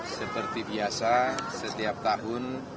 seperti biasa setiap tahun